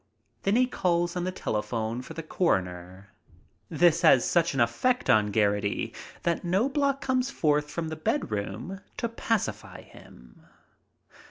Then he calls on the telephone for the coroner. This has such an effect on Geraghty that Knobloch comes forth from the bedroom to pacify him.